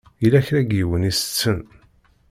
Yella kra n yiwen i itetten.